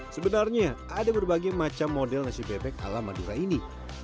sebenarnya ada berbagai macam model nasi bebek ala madura ini